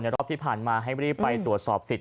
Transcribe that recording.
รอบที่ผ่านมาให้รีบไปตรวจสอบสิทธิ